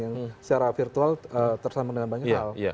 yang secara virtual tersambung dengan banyak hal